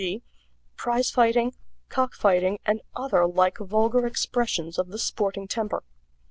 g., prize fighting, cock fighting, and other like vulgar expressions of the sporting temper.